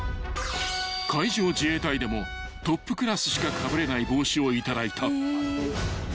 ［海上自衛隊でもトップクラスしかかぶれない帽子を頂いた］